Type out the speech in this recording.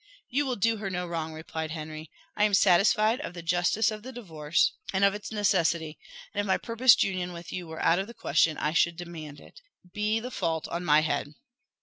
"You will do her no wrong," replied Henry. "I am satisfied of the justice of the divorce, and of its necessity; and if my purposed union with you were out of the question, I should demand it. Be the fault on my head."